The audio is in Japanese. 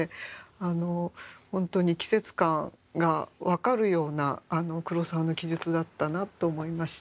あのほんとに季節感が分かるようなあの黒澤の記述だったなと思いました。